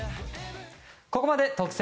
ここまで特選！！